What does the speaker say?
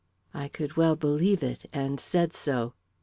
I could well believe it, and said so.